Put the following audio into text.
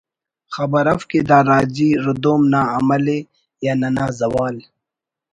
خبر اف کہ دا راجی ردوم نا عمل ءِ یا ننا زوال